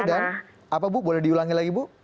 iya dan apa bu boleh diulangi lagi bu